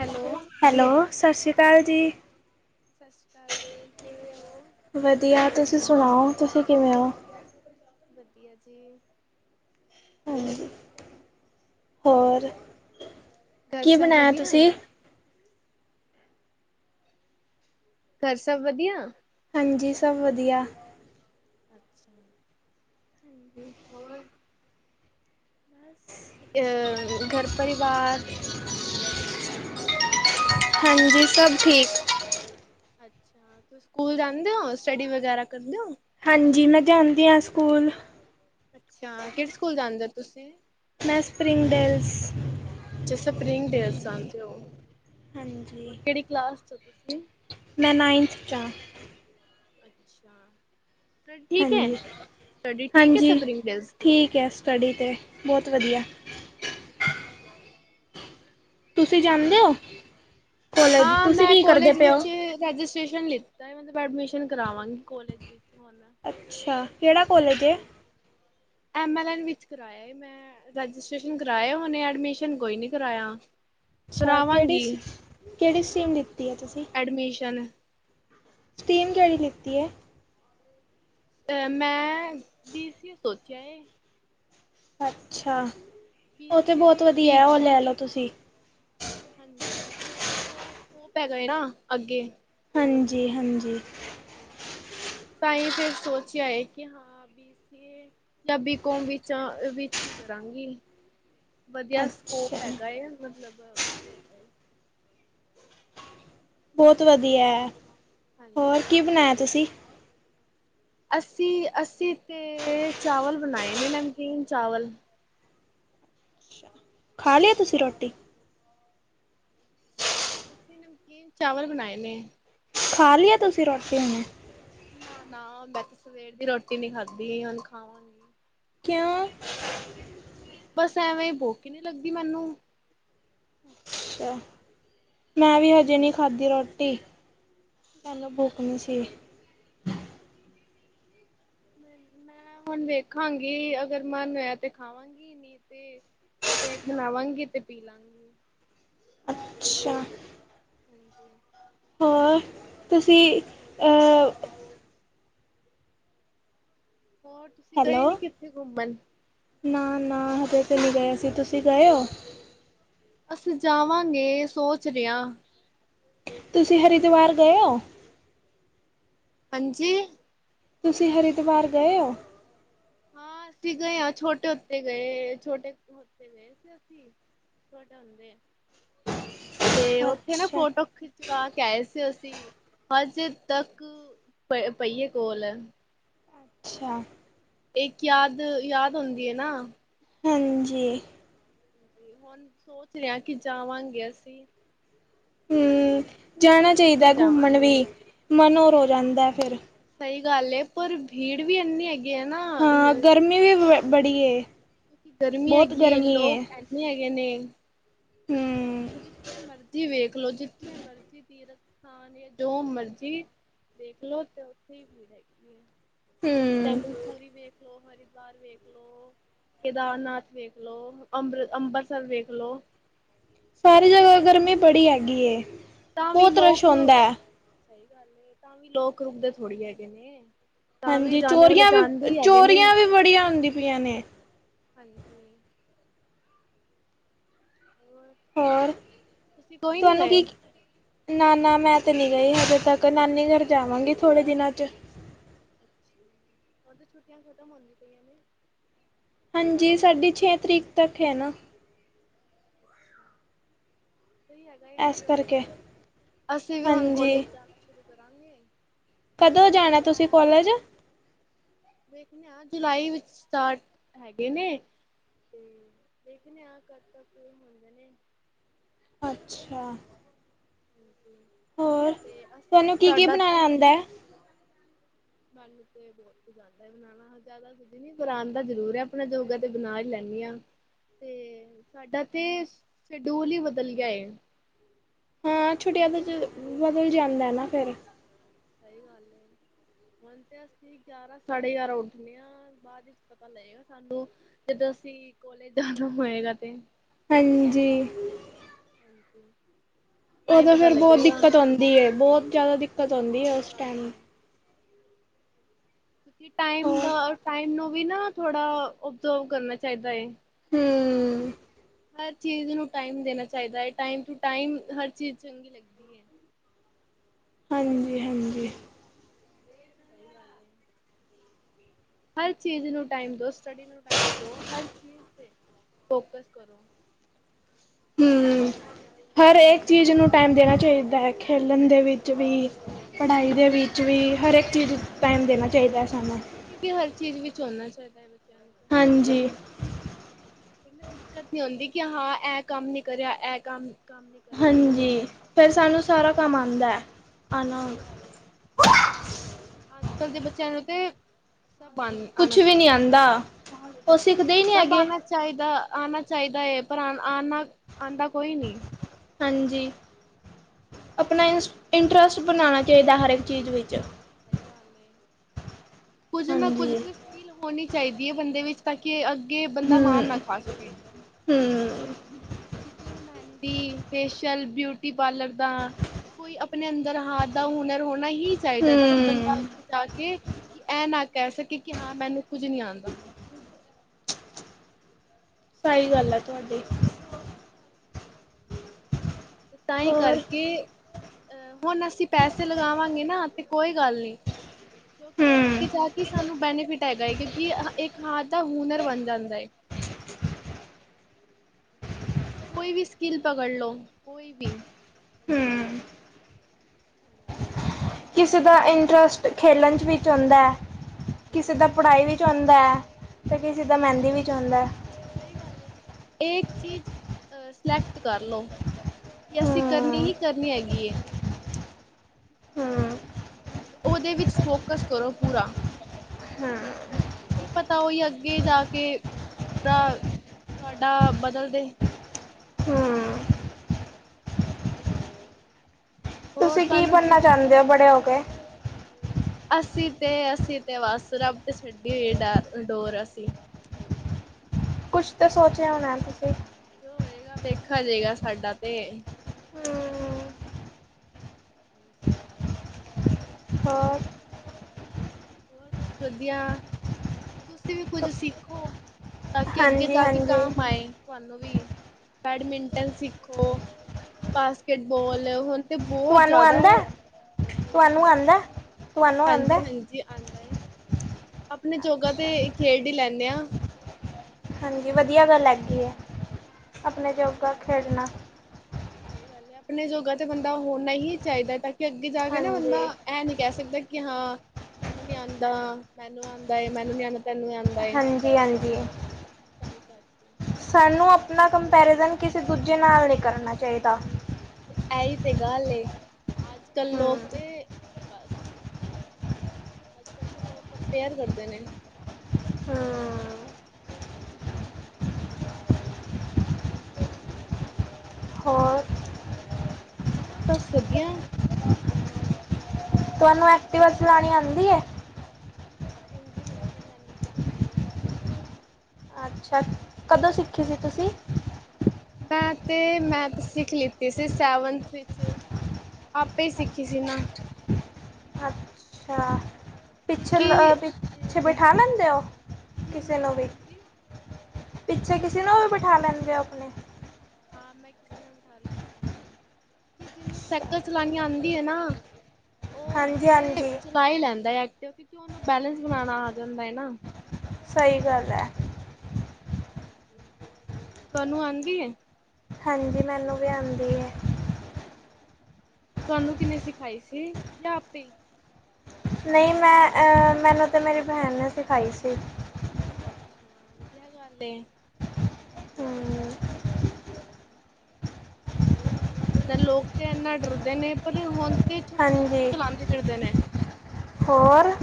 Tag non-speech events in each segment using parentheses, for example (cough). Hello. Hello ਸਤਿ ਸ਼੍ਰੀ ਅਕਾਲ ਜੀ। ਸਤਿ ਸ੍ਰੀ ਅਕਾਲ ਜੀ। ਕਿਵੇਂ ਹੋ? ਵਧੀਆ ਤੁਸੀਂ ਸੁਣਾਓ ਤੁਸੀਂ ਕਿਵੇਂ ਹੋ? ਵਧੀਆ ਜੀ। ਹਾਂਜੀ ਹੋਰ। ਘਰ ਕੀ ਸਭ ਬਣਾਇਆ ਵਧੀਆ, ਤੁਸੀ? ਘਰ ਸਭ ਵਧੀਆ? ਹਾਂਜੀ ਸਭ ਵਧੀਆ। ਅੱਛਾ। ਹੋਰ। ਅ ਘਰ ਪਰਿਵਾਰ ਸਭ ਠੀਕ? ਹਾਂਜੀ ਸਭ ਠੀਕ। ਅੱਛਾ ਸਕੂਲ ਜਾਂਦੇ ਹੋ ਸਟੱਡੀ ਵਗੈਰਾ ਕਰਦੇ ਔ। ਹਾਂਜੀ ਮੈਂ ਜਾਂਦੀ ਹਾਂ ਸਕੂਲ। ਅੱਛਾ ਕਿਹੜੇ ਸਕੂਲ ਜਾਂਦੇ ਤੁਸੀਂ? ਮੈਂ ਸਪਰਿੰਗ ਡੇਲਸ ਅੱਛਾ ਸਪਰਿੰਗ ਡੇਜ਼ ਜਾਂਦੇ ਓ। ਹੋਰ ਹਾਂਜੀ। ਕੇਹੜੀ ਕਲਾਸ ਚ ਓ ਤੁਸੀ? (inaudible) ਅੱਛਾ। ਸਟੱਡੀ ਠੀਕ ਹੈ, ਹਾਂਜੀ ਸਟੱਡੀ ਠੀਕ ਹੈ ਹਾਂਜੀ ਸਪਰਿੰਗ ਡੇਲਸ ਦੀ? ਠੀਕ ਹੈ ਸਟਡੀ। ਤੇ ਬਹੁਤ ਵਧੀਆ। ਅੱਛਾ। ਤੁਸੀ ਜਾਂਦੇ ਹੋਰ? ਔ? ਹਾਂ ਮੈਂ ਕੋਲੈਜ ਵਿੱਚ ਰੈਜਿਸ ਮਿਸ਼ਨ ਲਿਤਾ ਐ‌ ਮਤਲਬ ਐਡਮਿਸ਼ਨ ਕਰਾਵਾਂਗੀ ਕੋਲੇਜ ਵਿੱਚ। ਹੁਣ ਅੱਛਾ ਕੇਹੜਾ ਕੋ (inaudible) ਐਡਮਿਸ਼ਨ ਕੋਈ ਨਹੀਂ ਕਰਾਇਆ ਅੱਛਾ ਕਿਹੜੀ ਕਰਾਵਾਂਗੀ ਸੀ ਕਿਹੜੀ ਸੀਨ ਲ ਐਡਮਿਸ਼ਨ ਸਟੀਮ ਜਿਹੜੀ ਲਿੱਤੀ ਹੈ ਅਹ ਮੈਂ ਬੀਸੀਏ ਸੋਚਿਆ ਸੀ। ਅੱਛਾ ਬੀ ਉਹ ਤੇ ਸੀ ਏ ਬਹੁਤ ਜਾਂ ਵਧੀਆ ਬੀ ਹੈ ਉਹ ਕੋਮ ਲੈ ਲਓ ਤੁਸੀਂ ਹਾਂਜੀ ਕਿ ਉਹਦਾ ਸਕੋਪ ਹੈਗਾ ਹੈ ਨਾ ਅੱਗੇ ਹਾਂਜੀ ਹਾਂਜੀ ਹਾਂਜੀ ਤਾਂ ਹੀ ਫੇਰ ਸੋਚ ਆਏ ਕਿ ਹਾਂ ਬ ਸੀ ਪੰਜਾਬੀ ਕੌਮ ਵਿੱਚ ਵਿੱਚ ਹੀ ਕਰਾਂਗੀ ਵਧੀਆ ਅੱਛਾ ਸਕੋਪ ਹੈਗਾ ਮਤਲਬ ਵਧੀਆ ਹੈਗਾ ਹੈ ਬਹੁਤ ਵਧੀਆ ਹੈ ਹੋਰ ਹਾਂਜੀ। ਕੀ ਬਣਾਇਆ ਤੁਸੀਂ ਅੱਸੀ ਅੱਸੀ ਤੇ ਚਾਵਲ ਬਣਾਏ ਨੇ ਨਮਕੀਨ ਚਾਵਲ ਖਾ ਲਿਆ ਤੁਸੀਂ ਰੋਟੀ ਅਸੀਂ ਨਮਕੀਨ ਚਾਵਲ ਬਣਾਏ ਨੇ ਖਾ ਲਿਆ ਤੁਸੀਂ ਰੋਟੀ ਹਣੇ ਨਾ ਨਾ ਮੈਂ ਤੇ ਸਵੇਰ ਦੀ ਰੋਟੀ ਨੀ ਖਾਧੀ ਹੁਣ ਖਾਵਾਂਗੀ ਕਿ ਬਸ ਐਵੇਂ ਬੁਕ ਹੀ ਨਹੀਂ ਲੱਗਦੀ ਮੈਨੂੰ ਅੱਛਾ ਮੈਂ ਵੀ ਹਜੇ ਨਹੀਂ ਖਾਧੀ ਰੋਟੀ ਤੁਹਨੂੰ ਬੁਕ ਸੀ ਮੈਂ ਹੁਣ ਵੇਖਾਂਗੀ ਅਗਰ ਮਨ ਹੋਇਆ ਤੇ ਖਾਵਾਂਗੀ ਸ਼ੇਕ ਬਣਾਵਾਂਗੀ ਤੇ ਪੀ ਲਾਂਗੀ ਅੱਛਾ ਹਾਂਜੀ ਹੋ ਤੁਸੀਂ ਅਹ ਹੋਰ ਤੁਸੀਂ ਗਏ ਹੈਲੋ ਨੀ ਕਿੱਥੇ ਘੁੰਮਣ ਨਾ ਨਾ ਹਜੇ ਨਹੀਂ ਗਿਆ ਸੀ ਤੁਸੀਂ ਗਏ ਹੋ ਅਸੀਂ ਜਾਵਾਂਗੇ ਸੋਚ ਰਿਹਾ ਤੁਸੀਂ ਹਰਿਦਵਾਰ ਗਏ ਹੋ ਹਾਂਜੀ ਤੁਸੀਂ ਹਰਿਦੁਵਾਰ ਗਏ ਹੋ ਹਾਂ ਅਸੀਂ ਗਏ ਹਾਂ ਛੋਟੇ ਉਤੇ ਗਏ ਛੋਟੇ ਹੋਤੇ ਗਏ ਸੀ ਅਸੀਂ ਤੁਹਾਡਾ ਹੁੰਦੇ ਆ ਤੇ ਉੱਥੇ ਨਾ ਅੱਛਾ ਫੋਟੋ ਖਿਚਵਾ ਕੇ ਸੀ ਅਸੀਂ ਹ ਕਿਸੇ ਤੱਕ ਪ ਪਹੀਏ ਕੋਲ ਹੈ ਅੱਛਾ ਇੱਕ ਯਾਦ ਯਾਦ ਹੁੰਦੀ ਹੈ ਨਾ ਹਾਂਜੀ ਹੁਣ ਸੋਚ ਰਿਹਾ ਕਿ ਜਾਵਾਂਗੇ ਅਸੀਂ ਹਮ ਜਾਣਾ ਟ੍ਰੇਨ ਤੇ ਚਾਹੀਦਾ ਘੁੰਮਣ ਜਾਵਾਂਗੇ ਵੀ ਮਨ ਹੋਰ ਹੋ ਜਾਂਦਾ ਫਿਰ ਸਹੀ ਗੱਲ ਏ ਪਰ ਭੀੜ ਵੀ ਇੰਨੀ ਹੈਗੀ ਹੈ ਨਾ ਹਾਂ ਗਰਮੀ ਵੀ ਬ ਬੜੀ ਕਿਉਂਕਿ ਗਰਮੀ ਬਹੁਤ ਹੈਗੀ ਗਰਮੀ ਏ ਲੋਕ ਇਨੇ ਹੈਗੇ ਨੇ ਹਮ ਜਿੱਥੇ ਮਰਜ਼ੀ ਵੇਖ ਲੋ ਜਿੱਥੇ ਮਰਜ਼ੀ ਤੀਰਥ ਸਥਾਨ ਹੈ ਜੋ ਮਰਜ਼ੀ ਦੇਖਲੋ ਤੇ ਉੱਥੇ ਹੀ ਭੀੜ ਹੈਗੀ ਹੈ ਹਮ ਟੈਂਲੂਰੀ ਵੇਖ ਲ ਹਰ ਬਰ ਵੇਖਲੋ ਕੇਦਾਰਨਾਥ ਵੇਖ ਲੋ ਅੰਬਰ ਅੰਬ੍ਰਿਤਸਰ ਵੇਖ ਲੋ ਸਾਰੀ ਜਗ੍ਹਾ ਜਿੱਥੇ ਗਰਮੀ ਬੜੀ ਮਰਜ਼ੀ ਹੈਗੀ ਤਾਂ ਵੀ ਬਹੁਤ ਰਸ਼ ਲੋਕ ਆੁੰਦਾ ਹੈ ਸਹੀ ਗੱਲ ਤਾਂ ਵੀ ਲੋਕ ਰੁਕ ਦੇ ਥੋੜ੍ਹੀ ਹੈਗੇ ਨੇ ਤਾਂ ਵੀ ਹਾਂਜੀ ਜਾਣੇ ਵਾਲੇ ਚੋਰੀਆਂ ਵੀ ਜਾਂਦੇ ਹੀ ਹੈਗੇ ਨੇ ਚੋਰੀਆਂ ਵੀ ਬੜੀਆਂ ਹੁੰਦੀ ਪਈਆਂ ਨੇ ਹਾਂਜੀ ਹੋ ਹੋਰ ਤੁਸੀਂ ਕੋਈ ਨੀ ਤੁਹਾਨੂੰ ਕੀ ਗਏ ਨਾ ਨਾ ਮੈਂ ਤੇ ਨੀ ਗਈ ਹਜੇ ਤੱਕ ਨਾਨੀ ਘਰ ਜਾਵਾਂਗੀ ਥੋੜੇ ਦਿਨਾਂ ਚ (inaudible) ਉਹ ਤੇ ਛੁੱਟੀਆਂ ਖ਼ਤਮ ਹੁੰਦੀ ਪਈਆਂ ਨੇ ਹਾਂਜੀ ਸਾਡੀ ਛੇ ਤਰੀਕ ਤੱਕ ਹੈ ਨਾ ਅੱਛਾ ਸਹੀ ਹੈਗਾ ਇਸ ਇੰਜੋਏ ਕਰਕੇ ਕਰੋ ਅਸੀਂ ਵੀ ਹੁਣ ਹਾਂਜੀ ਕੋਲੇਜ ਜਾਣਾ ਸ਼ੁਰੂ ਕਰਾਂਗੇ ਕਦੋਂ ਫੋਨ ਤੇ ਜਾਣਾ ਤੁਸੀਂ ਮੈਂ ਕੋਲਜ ਵਖਦੇ ਆ ਜੁਲਾਈ ਵਿੱਚ ਸਟਾਰਟ ਹੈਗੇ ਨੇ ਤੇ ਦੇਖਦੇ ਆ ਕ ਤਾਂ ਕਿਈ ਹੁੰਦੇ ਨੇ ਅੱਛਾ ਹ ਹੋਰ ਤੇ ਅਸੀਂ ਤੁਹਾਨੂੰ ਸਾਡਾ ਤੇ ਆ ਹ ਮਨੂੰ ਬਹੁਤ ਪੰਦ ਬਣਾਉਣਾ ਜ਼ਿਆਦਾ ਕੁਝ ਨ ਗੁਰਾਨ ਤਾਂ ਜ਼ਰੂਰ ਹੈ ਆਪਣਾ ਜੋਗਾ ਤੇ ਬਣਾ ਹੀ ਲੈਦੀ ਹਾਂ ਤੇ ਸਾਡਾ ਤੇ ਸ਼ਡਿਊਲ ਹੀ ਬਦਲ ਗਿਆ ਹਾਂ ਹੁਣ ਛੁੱਟੀਆਂ ਤੋਂ ਤੇ ਮੈਂ ਬਦਲ ਜਾਂਦਾ ਨਾ ਫਿਰ ਸਹੀ ਗੱਲ ਹੁਣ ਤੇ ਅਸੀਂ ਗਿਆਰਾਂ ਸਾਢੇ ਗਿਆਰਾਂ ਉੱਠਦੇ ਹਾਂ ਬਾਅਦ ਵਿੱਚ ਪਤਾ ਲਏਗਾ ਸਾਨੂੰ ਤੇ ਅਸੀਂ ਕੋਲੇਜ ਜਾਣਾ ਹੋਏਗਾ ਤੇ ਹਾਂਜੀ ਹਠਜੀ ਉਹ ਤਾਂ ਫੇਿਰ ਬਹੁਤ ਦਿੱਕਤ ਆਉਂਦੀ ਹੈ ਬਹੁਤ ਜ਼ਿਆਦਾ ਦਿੱਕਤ ਆਉਂਦੀ ਹੈ ਸਹੀ ਉਸ ਗੱਲ ਟਾਈਮ ਏ ਟਮ ਹੋਰ ਦਾ ਟਾਈਮ ਨੂੰ ਵੀ ਨਾ ਥੋੜਾ ਓਬਜ਼ੋਰਵ ਕਰਨਾ ਚਾਹੀਦਾ ਹੈ ਕਿ ਹਾਂ ਹਮ ਹਰ ਚੀਜ਼ ਨੂੰ ਟਾਈਮ ਦੇਣਾ ਚਾਹੀਦਾ ਹੈ ਟਮ ਟ ਟਮ ਹਰ ਚੀਜ਼ ਚੰਗੀ ਲੱਗਦੀ ਹੈ ਹਾਂਜੀ ਹਾਂਜੀ ਸਹੀ ਗੱਲ ਹਰ ਚੀਜ਼ ਨੂੰ ਟਾਈਮ ਦੋ ਸਟੱਡੀ ਨੂੰ ਟਾਈਮ ਦਓ ਹਰ ਚੀਜ਼ ਤੇ ਫੋਕਸ ਕਰੋ ਹਮ ਫਿਰ ਹਰ ਦਿੱਕਤ ਨਹੀਂ ਇੱਕ ਚੀਜ਼ ਹੁੰਦੀ ਨੂੰ ਨਾ ਟਾਈਮ ਦੇਣਾ ਚਾਹੀਦਾ ਹੈ ਖੇ ਪਲਣ ਦੇ ਵਿੱਚ ਵੀ, ਪੜ੍ਹਾਈ ਦੇ ਵਿੱਚ ਵਿੱਚ ਵੀ, ਹਰ ਲਾਈਫ ਇੱਕ ਚੀਜ਼ ਐਕਸਪੀਰੀਅੰਸ ਟਾਈਮ ਹਰ ਦੇਣਾ ਚਾਹੀਦਾ, ਸਾਨੂੰ। ਝਨਾ ਚਾਹੀਦਾ ਹੈ, ਬੱਚਿਆਂ ਨੂੰ ਤਾਂ, ਹਾਂਜੀ ਕਹਿੰਦਾ ਦਿੱਕਤ ਨੀ ਆਉਂਦੀ ਕਿ, ਹਾਂ। ਇਹ ਕੰਮ ਨਹੀਂ ਕਰਿਆ, ਇਹ ਕੰਮ ਕੰਮ ਨਹੀਂ ਕਰਿਆ ਮੈਂ ਹਾਂਜੀ। ਫੇਰ, ਸਾਨੂੰ ਸਾਰਾ ਕੰਮ ਆਂਦੈ। ਆਨਾ ਸਹੀ ਗੱਲ ਚਲਦੇ ਬੱਚਿਆਂ ਨੂੰ, ਤੇ ਸਭ ਆਣ ਕੁਛ ਆਣਾ ਵੀ ਨੀ ਚਾਹੀਦਾ ਹੈ ਆਂਦਾ, ਉਹ ਸਿੱਖਦੇ ਹੀ ਨਹੀਂ ਹੈਗੇ। ਆਨਾ ਚਾਹੀਦਾ ਹੈ, ਪਰ ਆਨਾ ਹਾਂਜੀ। ਸਹੀ ਅਪਨਾ ਇੰ ਗੱਲ ਹੈ ਇੰਟਰਸਟ ਬਣਾਣਾ ਚਾਹੀਦਾ, ਹਰ ਇੱਕ ਚੀਜ਼ ਵਿੱਚ। ਸਹੀ ਗੱਲ ਏ। ਕੁੱਝ ਨਾ, ਕੁਝ ਹਾਂਜੀ ਤੇ ਫੀਲ ਹੋਣੀ ਚਾਹੀਦੀ ਏ, ਬੰਦੇ ਵਿੱਚ। ਤਾਂ ਕਿ, ਅੱਗੇ ਬੰਦਾ ਮਾਰ ਨਾ, ਹਮ ਖਾ- ਸਕੇ। ਹਮ ਕਿਸੇ ਨੂੰ, ਮਹਿੰਦੀ, ਫੇਸੀ਼ਅਲ ਬਿਊਟੀ ਪਾਰਲਰ ਦਾ ਕੋਈ ਅਪਨੇ ਅੰਦਰ ਹਾਥ ਦਾ ਹੁਨਰ ਹੋਣਾ ਹੀ ਚਾਹੀਦਾ। ਤਾਂ, ਕਿ ਬੰਦਾ ਹਮ ਅੱਗੇ ਜਾਕੇ ਕਿ, ਐ ਨਾ ਕਹਿ ਸਕੇ ਕਿ, ਹਾਂ, ਮੈਨੂੰ ਕੁੱਝ ਨਹੀਂ ਆਉਂਦਾ। ਸਹੀ ਗੱਲ ਆ, ਤੁਹਾਡੀ! ਤਾਂ, ਹੀ ਹੋਰ ਕਰਕੇ ਅਹ ਹੁਣ, ਅਸੀਂ ਪੈਸੇ ਲਗਾਵਾਂਗੇ ਨਾ, ਤੇ ਕੋਈ ਗੱਲ ਨਹੀਂ। ਕਿਉਂਕਿ ਨਾ ਹਮ ਅੱਗੇ ਜਾਕੇ ਸਾਨੂੰ ਬੈਨੀਫਿਟ ਹੈਗਾ ਹੈ, ਕਿਉਂਕਿ ਇੱਕ ਹਾਦ ਦਾ ਹੁਨਰ ਬਣ ਜਾਂਦਾ ਹੈ। ਕੋਈ ਵੀ ਸਕਿੱਲ ਪਕੜ ਲੋ, ਕੋਈ ਵੀ! ਹਮ ਕਿਸੇ ਦਾ ਇੰਟਰਸਟ ਖੇਲਣ'ਚ ਵਿੱਚ ਹੋਂਦੈ। ਸਹੀ ਕਿਸੇ ਦਾ ਗੱਲ ਹੈ ਪੜ੍ਹਾਈ ਵੀਚ ਹੋਂਦਾ, ਅਤੇ ਕਿਸੇ ਦਾ ਮਹਿੰਦੀ ਵੀਚ ਹੋਂਦਾ। ਇਹ ਚੀਜ਼ ਸਲੈਕਟ ਕਰਲੋ। ਕਿ, ਅਸੀਂ ਕਰਨੀ ਹਮ ਹੀ, ਕਰਨੀ ਹੈਗੀ ਏ। ਹਮ ਉਹਦੇ ਵਿੱਚ ਫੋਕਸ ਕਰੋ ਪੂਰਾ। ਹਮ ਕੀ ਪਤਾ, ਉਹੀ ਅੱਗੇ ਜਾਕੇ ਪੂਰਾ ਤੁਹਾਡਾ ਬਦਲਦੇ ਹਮ ਹੋਰ ਤੁਸੀਂ ਕੀ, ਤੁਹਾਨੂੰ ਬਣਨਾ ਚਾਹੁੰਦੇ ਹੋ? ਬੜੇ ਹੋਕੇ। ਅਸੀਂ ਤੇ, ਅਸੀਂ ਤੇ ਬਸ। ਰੱਬ ਤੇ, ਸੁੱਟੀ ਹੋਈ ਏ, ਡਾਰ, ਡੋਰ ਅਸੀ। ਕੁਛ ਤੇ, ਸੋਚਿਆ ਹੋਣਾ ਤੁਸੀਂ? ਹੋਏਗਾ, ਵੇਖਾ ਜੇਗਾ ਸਾਡਾ ਤੇ। ਹਮ (inaudible) ਹੋਰ ਹੋਰ, ਬਸ ਵਧੀਆ। ਤੁਸੀਂ ਵੀ ਕੁੱਝ ਸਿੱਖੋ। ਤਾਂ ਕਿ, ਅੱਗੇ ਹਾਂਜੀ ਜਾਕੇ ਹਾਂਜੀ ਕਾਮ ਆਏ ਤੁਹਾਨੂੰ ਵੀ, ਬੈਡਮਿੰਟਨ ਸਿੱਖੋ, ਬਾਸਕਿਟਬੌਲ ਹੋਣ ਤੇ, ਬਹੁਤ ਤੁਹਾਨੂੰ ਜ਼ਿਆਦਾ ਆਉਂਦਾ ਤੁਹਾਨੂੰ ਆਉਂਦਾ ਤੁਹਾਨੂੰ ਆਉਂਦਾ ਹਾਂਜੀ-ਹਾਂਜੀ- ਹਾਂਜੀ ਆਂਦਾ ਏ। ਅਪਨੇ ਜੋਗਾ ਅੱਛਾ ਤੇ, ਖੇਡ ਹੀ ਲੈਂਨੇ ਹਾਂ। ਹਾਂਜੀ, ਵਧੀਆ ਗੱਲ ਹੈਗੀ ਹੈ। ਆਪਣੇ ਜੋੋਗਾ ਖੇਡਣਾ। ਸਹੀ ਗੱਲ ਹੈ। ਆਪਣੇ ਜੋਗਾ ਤੇ, ਬੰਦਾ ਹੋਣਾ ਹੀ ਚਾਹੀਦਾ। ਤਾਂ ਕਿ, ਅੱਗੇ ਜਾਕੇ ਨਾ ਬੰਦਾ ਹਾਂਜੀ ਐ, ਨੀ ਕਹਿ ਸਕਦਾ ਕਿ, ਹਾਂ, ਤੈਨੂੰ ਨੀ ਆਂਦਾ, ਮੈਨੂੰ ਆਂਦਾ ਏ, ਮੈਨੂੰ ਨੀ ਆਂਦਾ ਤੈਨੂੰ ਆਉਂਦਾ ਹੈ। ਹਾਂਜੀ ਹਾਂਜੀ ਸਹੀ ਕਰਕੇ ਸਾਨੂੰ ਆਪਣਾ ਕੰਪੈਰੀਜ਼ਨ, ਕਿਸੇ ਦੂਜੇ ਨਾਲ ਨਹੀਂ ਕਰਨਾ ਚਾਹੀਦਾ। ਐਹੀ ਤੇ ਗੱਲ ਏ, ਅੱਜ-ਕੱਲ ਲੋਕ ਹਮ ਤੇ ਬਸ! ਅੱਜ-ਕਲ ਤੋ, ਲੋਕ ਕੰਪੇਅਰ ਕਰਦੇ ਨੇ। ਹਮ ਹਾਂਜੀ। ਹੋਰ ਹੋਰ, ਬੱਸ ਵਧੀਆ! ਤੁਹਾਨੂੰ ਐਕਟਵਾ ਚਲਾਉਣੀ ਆਉਂਦੀ ਹੈ ਹਾਂਜੀ ਹਾਂਜੀ ਮੈਨੂੰ ਚਾਹਦੀ ਹੈ ਅੱਛਾ ਕਦੋਂ ਸਿੱਖੀ ਸੀ ਤੁਸੀਂ ਮੈਂ ਤੇ ਮੈਥ ਸਿੱਖ ਲਿੱਤੀ ਸੀ ਸੈਵਨਥ ਵਿੱਚ ਆਪੇ ਹੀ ਸਿੱਖੀ ਸੀ ਨਾ ਅੱਛਾ ਪਿੱਛੇ ਕਿਉਂਕਿ ਪਿੱਛੇ ਬਿਠਾ ਲੈਂਦੇ ਹੋ ਕਿਸੇ ਜਿਹਨੂੰ ਨੂੰ ਵੀ ਹਾਂਜੀ ਪਿੱਛੇ ਕਿਸੇ ਨੂੰ ਵੀ ਬਿਠਾ ਲੈਂਦੇ ਹੋ ਆਪਣੇ ਹਾਂ ਮੈਂ ਕਿਸੇ ਨੂੰ ਬਿਠਾ ਲੈਂਦੀ ਹਾਂ ਕਿ ਜਿਹਨੂੰ ਸਾਈਕਲ ਚਲਣੀ ਆਉਂਦੀ ਹੈ ਨਾ ਉਹ ਹਾਂਜੀ ਤੇ ਹਾਂਜੀ ਚਲਾ ਹੀ ਲੈਂਦਾ ਹੈ ਐਕਟਿ ਕਿਉਂਕਿ ਉਹਨੂੰ ਬੈਲੇਸ ਬਣਾਉਣਾ ਆ ਜਾਂਦਾ ਨਾ ਸਹੀ ਗੱਲ ਹੈ ਤੁਹਾਨੂੰ ਆਉਂਦੀ ਹੈ ਹਾਂਜੀ ਮੈਨੂੰ ਵੀ ਆਉਂਦੀ ਹੈ ਤੁਹਾਨੂੰ ਕਿੰਨੇ ਸਿਖਾਈ ਸੀ ਜਾਂ ਆਪੇ ਨਹੀਂ ਮੈਂ ਅਹ ਮੈਨੂੰ ਤੇ ਮੇਰੀ ਭੈਣ ਨੇ ਸਿਖਾਈ ਸੀ ਅੱਛਾ ਵਧੀਆ ਗੱਲ ਹਮ ਅੱਛਾ ਲੋਕ ਤੇ ਇਨਾ ਡਰਦੇ ਨੇ ਪਰ ਹੁਣ ਤੇ ਛੋਟੇ ਛੋਟੇ ਬੱਚੇ ਹਾਂਜੀ ਚਲਾਉਦੇ ਫਿਰਦੇ ਨੇ ਹੋਰ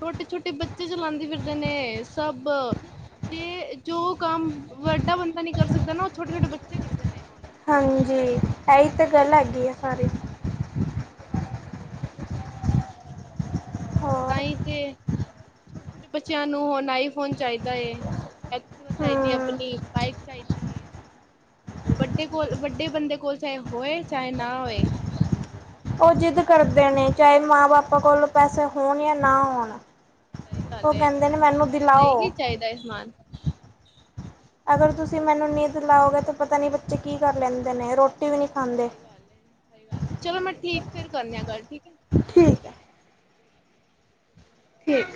ਛੋਟੇ ਛੋਟੇ ਬੱਚੇ ਚਲਾਉਂਦੇ ਫਿਰਦੇ ਨੇ ਸਭ ਜੇ ਜੋ ਕੰਮ ਵੱਡਾ ਬੰਦਾ ਨੀ ਕਰ ਸਕਦਾ ਨਾ ਉਹ ਛੋਟੇ ਛੋਟੇ ਬੱਚੇ ਕਰਦੇ ਨੇ ਹੁਣ ਹਾਂਜੀ ਇਹੀ ਤਾਂ ਗੱਲ ਹੈਗੀ ਆ ਸਾਰੀ (inaudible) ਤ ਹੋਰ ਹੀ ਤੇ ਛੋਟੇ ਛੋਟੇ ਬੱਚਿਆਂ ਨੂੰ ਹੁਣ ਆਈ ਫੋਨ ਚਾਹੀਦਾ ਹੈ ਐਕਟੀਵਾ ਚਾਹੀਦੀ ਹੈ ਹਮ ਆਪਣੀ ਬਾਈਕ ਚਾਹੀਦੀ ਹੈ ਵੱਡੇ ਕੋਲ ਵੱਡੇ ਬੰਦੇ ਕੋਲ ਚਾਹੇ ਹੋਏ ਚਾਹੇ ਨਾ ਹੋਏ ਉਹ ਜਿੱਦ ਕਰਦੇ ਨੇ ਛੋਟੇ ਚਾਹੇ ਬੱਚੇ ਮਾਂ ਬਾਪਾ ਕੋਲ ਪੈਸੇ ਹੋਣ ਜਾਂ ਨਾ ਹੋਣ ਸਹੀ ਗੱਲ ਉਹ ਹੈ ਕਹਿੰਦੇ ਨੇ ਉਹਨਾ ਨੂੰ ਮੈਨੂੰ ਚਾਹੀਦਾ ਕੀ ਦਿਲਾਓ ਚਾਹੀਦਾ ਹੈ ਸਮਾਨ ਅਗਰ ਤੁਸੀਂ ਮੈਨੂੰ ਨੀਂਦ ਲਾਓਗੇ ਤਾਂ ਪਤਾ ਨੀ ਬੱਚੇ ਕੀ ਕਰ ਲੈਂਦੇ ਨੇ ਰੋਟੀ ਰੋਟੀ ਵੀ ਨਹੀਂ ਖਾਂਦੇ ਸਹੀ ਗੱਲ ਏ, ਸਹੀ ਗੱਲ ਚਲੋ ਮੈਂ ਠੀਕ ਫੇਰ ਕਰਨੀ ਆ ਗੱਲ ਠੀਕ ਹੈ ਠੀਕ ਹੈ ਠੀਕ।